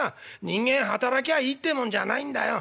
人間働きゃいいってもんじゃないんだよ。